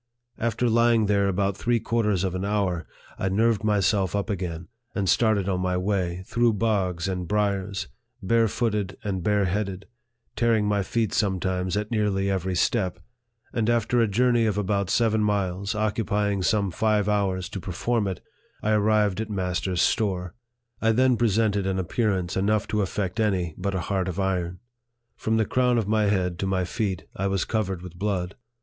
After lying there about three quarters of an hour, I nerved myself up again, and started on my way, through bogs and briers, barefooted and bare headed, tearing my feet sometimes at nearly every step ; and after a journey of about seven miles, occupy ing some five hours to perform it, I arrived at master's store. I then presented an appearance enough to affect any but a heart of iron. From the crown of my head to my feet, I was covered with blood.